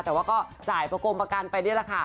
แต่ก็ก็จ่ายประกงประกันไปได้ละค่ะ